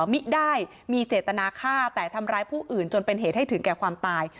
มิได้มีเจตนาฆ่าแต่ทำร้ายผู้อื่นจนเป็นเหตุให้ถึงแก่ความตาย